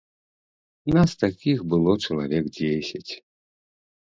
Нас такіх было чалавек дзесяць.